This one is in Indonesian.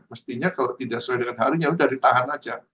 mestinya kalau tidak sesuai dengan harinya udah ditahan aja